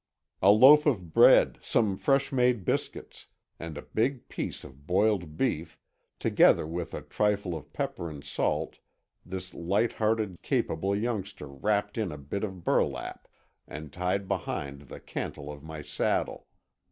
A loaf of bread, some fresh made biscuits, and a big piece of boiled beef, together with a trifle of pepper and salt this light hearted, capable youngster wrapped in a bit of burlap and tied behind the cantle of my saddle.